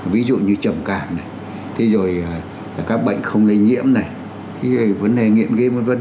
ví dụ như trầm cạn này thì rồi là các bệnh không lây nhiễm này thì vấn đề nghiệm vân vân